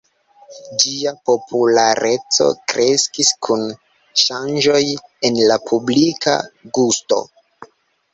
Ĝia populareco kreskis kun ŝanĝoj en la publika gusto.